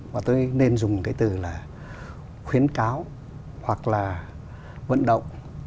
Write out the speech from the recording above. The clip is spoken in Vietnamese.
và tôi nên dùng cái từ là khuyến cáo hoặc là vận động